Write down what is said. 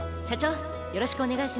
よろしくお願いします。